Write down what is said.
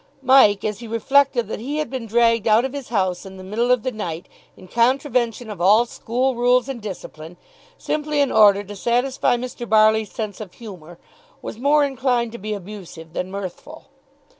Mike, as he reflected that he had been dragged out of his house in the middle of the night, in contravention of all school rules and discipline, simply in order to satisfy Mr. Barley's sense of humour, was more inclined to be abusive than mirthful.